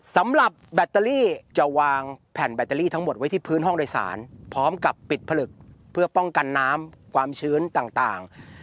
สำหรับแบตเตอรี่จะวางแผ่นแบตเตอรี่ทั้งหมดไว้ที่พื้นห้องโดยสารพร้อมกับปิดผลึกเพื่อป้องกันน้ำความชื้นต่าง